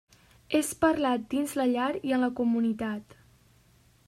És parlat dins la llar i en la comunitat.